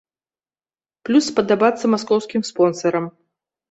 Плюс спадабацца маскоўскім спонсарам.